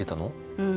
うん。